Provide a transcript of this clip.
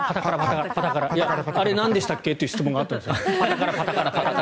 あれ、なんでしたっけという質問があったんです。